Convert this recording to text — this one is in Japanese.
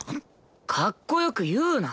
かっこ良く言うな。